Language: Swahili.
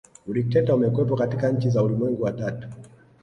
Udikteta umekuwepo katika nchi za ulimwengu wa tatu